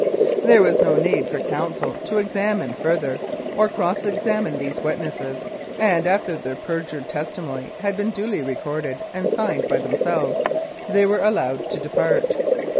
There was no need for counsel to examine further or cross examine these witnesses, and after their perjured testimony had been duly recorded and signed by themselves they were allowed to depart.